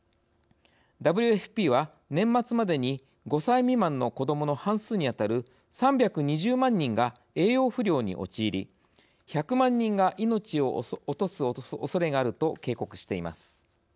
ＷＦＰは年末までに５歳未満の子どもの半数にあたる３２０万人が栄養不良に陥り１００万人が命を落とすおそれがあると警告しています。